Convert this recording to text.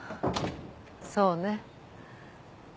そうね。